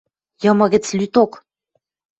Йымы гӹц лӱдок...